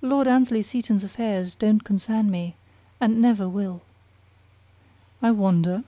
"Lord Annesley Seton's affairs don't concern me, and never will." "I wonder?"